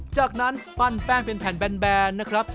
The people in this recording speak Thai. จากนั้นปั้นแป้งเป็นแผ่นแบนนะครับ